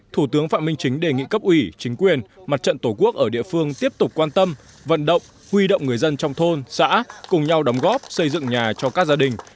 thủ tướng phạm minh chính đề nghị cấp ủy chính quyền mặt trận tổ quốc ở địa phương tiếp tục quan tâm vận động huy động người dân trong thôn xã cùng nhau đóng góp xây dựng nhà cho các gia đình